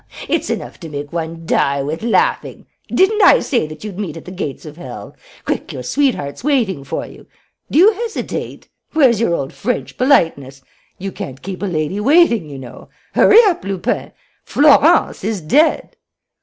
It's enough to make one die with laughing. Didn't I say that you'd meet at the gates of hell? Quick, your sweetheart's waiting for you. Do you hesitate? Where's your old French politeness? You can't keep a lady waiting, you know. Hurry up, Lupin! Florence is dead!"